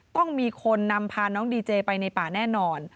ต้องมีคนนำพาน้องดีเจไปในป่าแน่นอน